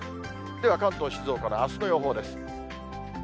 では、関東、静岡のあすの予報です。